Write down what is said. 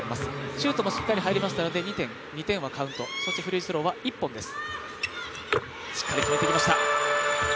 シュートもしっかり入りましたので２点はカウントそしてフリースローは１本です。